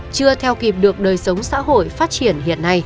chưa theo kịp được đời sống xã hội phát triển hiện nay